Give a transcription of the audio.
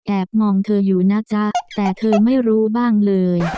มองเธออยู่นะจ๊ะแต่เธอไม่รู้บ้างเลย